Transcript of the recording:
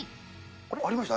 ありました？